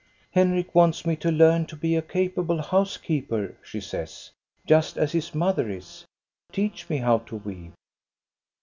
^" Henrik wants me to learn to be a capable house keeper," she says, " just as his mother is. Teach me how to weave !